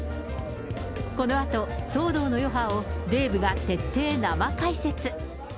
このあと、騒動の余波をデーブが徹底生解説。